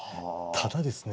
ただですね